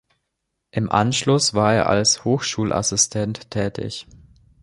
Im Anschluss war er als Hochschulassistent tätig.